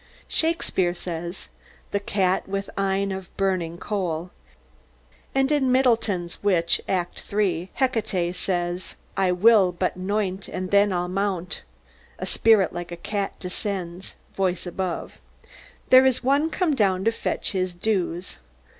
Shakespeare says, "the cat with eyne of burning coal," and in Middleton's Witch, Act III., Hecate says: I will but 'noint, and then I'll mount. (A Spirit like a cat descends. Voice above.) There's one come down to fetch his dues.